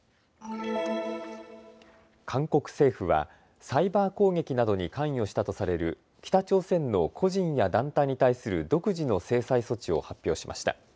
韓国政府はサイバー攻撃などに関与したとされる北朝鮮の個人や団体に対する独自の制裁措置を発表しました。